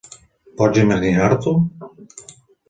Pots imaginar-t'ho?